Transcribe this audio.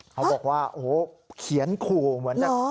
เขาบอกว่าเขียนคูเหมือนจะ